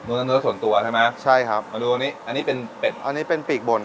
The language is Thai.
เนื้อส่วนตัวใช่ไหมใช่ครับมาดูอันนี้อันนี้เป็นเป็ดอันนี้เป็นปีกบ่น